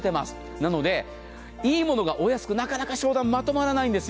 なので、いいものがお安くなかなか商談がまとまらないんですよ。